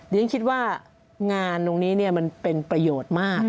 ฉันคิดว่างานตรงนี้มันเป็นประโยชน์มาก